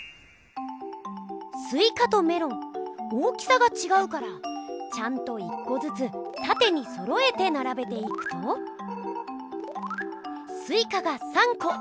スイカとメロン大きさがちがうからちゃんと１こずつたてにそろえてならべていくとスイカが３こ。